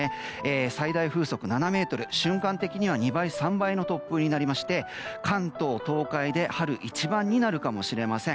最大風速７メートル瞬間的には２倍、３倍の突風になりまして関東・東海で春一番になるかもしれません。